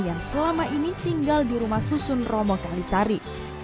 yang selama ini tinggal di rumah susun romo kalisari